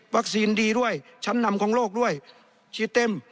ดีด้วยชั้นนำของโลกด้วยฉีดเต็ม